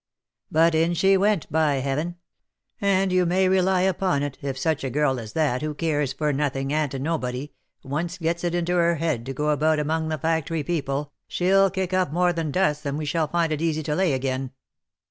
But in she went, by heaven ! and you may rely upon it, if such a girl as that, who cares for nothing, and nobody, once gets it into her head to go about among the factory people, she'llj kick up more dust than we shall find it easy to lay again.